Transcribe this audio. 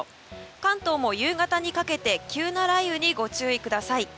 関東も夕方にかけて急な雷雨にご注意ください。